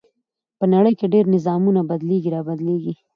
په نړۍ کې ډېر نظامونه بدليږي را بدلېږي .